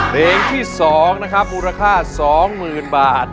เพลงที่สองนะครับมูลค่าสองหมื่นบาท